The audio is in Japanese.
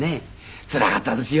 つらかったですよ。